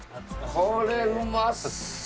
これうまそう！